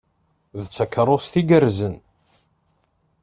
D takeṛṛust igerrzen!